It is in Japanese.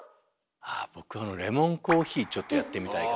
あ僕はあのレモンコーヒーちょっとやってみたいかなあ。